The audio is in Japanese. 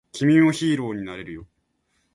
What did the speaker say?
君もヒーローになれるよ